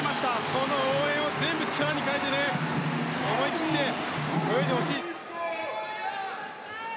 この応援を全部力に変えて思い切って泳いでほしい。